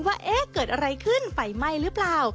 ว่าเอ๊ะเกิดอะไรขึ้นไฟไหม้หรือเปล่า